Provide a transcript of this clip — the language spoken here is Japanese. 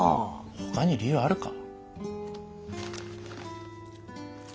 ほかに理由あるか？